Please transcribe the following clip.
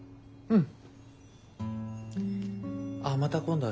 うん。